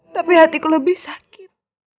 tapi hatiku lebih sakit